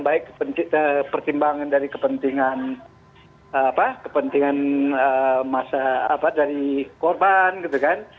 baik pertimbangan dari kepentingan apa kepentingan masyarakat dari korban gitu kan